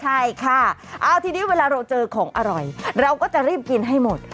ใช่ค่ะเอาทีนี้เวลาเราเจอของอร่อยเราก็จะรีบกินให้หมด